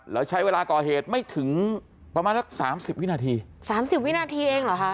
แล้วใช้เวลาก่อเหตุไม่ถึงประมาณสักสามสิบวินาทีสามสิบวินาทีเองเหรอคะ